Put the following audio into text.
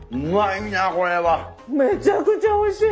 めちゃくちゃおいしい！